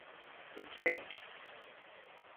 Gitmek…